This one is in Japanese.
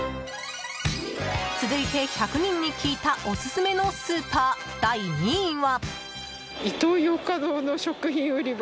続いて１００人に聞いたオススメのスーパー第２位は。